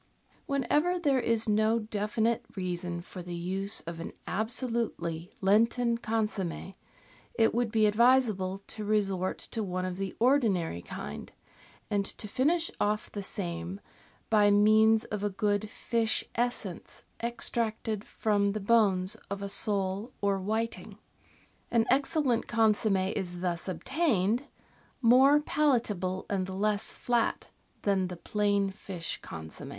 Whenever there is no definite reason for the use of an absolutely Lenten consomm^, it would be advisable to resort to one of the ordinary kind, and to finish off the same by means of a good fish essence extracted from the bones of a sole or whiting. An excellent consomm6 is thus obtained, more palatable and less flat than the plain fish con somm^.